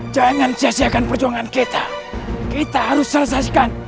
jangan sia siakan perjuangan kita kita harus selesaikan